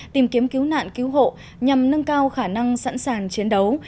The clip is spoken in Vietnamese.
tìm kiếm cứu nạn cứu hộ nhằm nâng cao khả năng sẵn sàng chiến đấu